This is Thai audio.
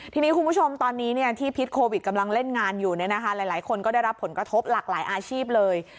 ทีนี้คุณผู้ชมตอนนี้ที่พิษโควิดกำลังเล่นงานอยู่หลายคนก็ได้รับผลกระทบหลากหลายอาชีพเลย